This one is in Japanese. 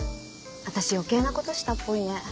私余計なことしたっぽいね。